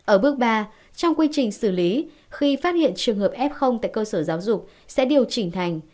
ở bước ba trong quy trình xử lý khi phát hiện trường hợp f tại cơ sở giáo dục sẽ điều chỉnh thành